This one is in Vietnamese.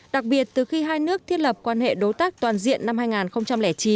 đặc biệt từ khi hai nước thiết lập quan hệ đối tác toàn diện năm hai nghìn chín